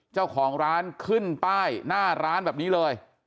เจ้าของร้านขึ้นป้ายหน้าร้านแบบนี้เลย